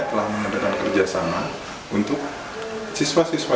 telah mengadakan kerjasama untuk siswa siswa